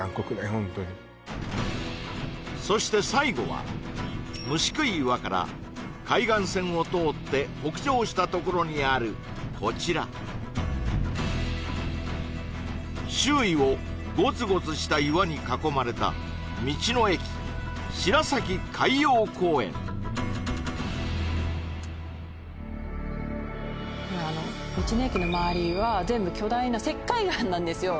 ホントにそして最後は虫喰岩から海岸線を通って北上したところにあるこちら周囲をゴツゴツした岩に囲まれた道の駅の周りは全部巨大な石灰岩なんですよ